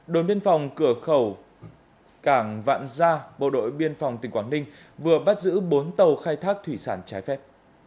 đồn biên phòng cửa khẩu cảng vạn gia bộ đội biên phòng tỉnh quảng ninh vừa bắt giữ bốn tàu khai thác thủy sản trái phép